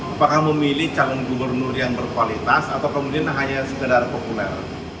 apakah memilih calon gubernur yang berkualitas atau kemudian hanya sekedar populer